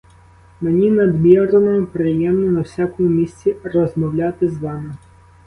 Мені надмірно приємно на всякому місці розмовляти з вами.